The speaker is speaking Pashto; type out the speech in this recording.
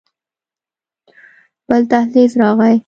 بل دهليز راغى.